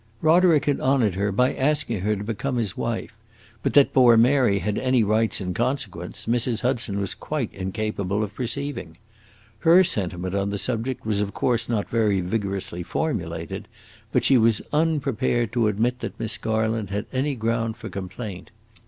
Roderick had honored her by asking her to become his wife, but that poor Mary had any rights in consequence Mrs. Hudson was quite incapable of perceiving. Her sentiment on the subject was of course not very vigorously formulated, but she was unprepared to admit that Miss Garland had any ground for complaint.